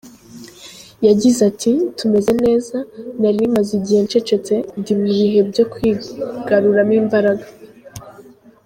Yagize ati "Tumeze neza, nari maze igihe ncecetse, ndi mu bihe bya kwigaruramo imbaraga.